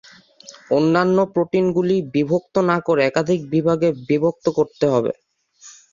অন্যান্য প্রোটিনগুলি বিভক্ত না করে একাধিক বিভাগে বিভক্ত করতে হবে।